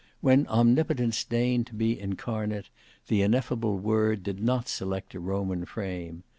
When Omnipotence deigned to be incarnate, the Ineffable Word did not select a Roman frame.